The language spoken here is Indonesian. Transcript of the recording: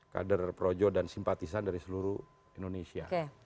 kader projo dan simpatisan dari seluruh indonesia